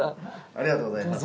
ありがとうございます。